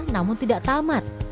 namun tidak tamat